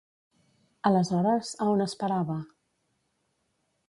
Aleshores, a on es parava?